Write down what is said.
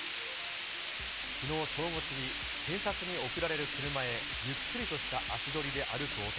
きのう正午過ぎ、検察に送られる車へゆっくりとした足取りで歩く男。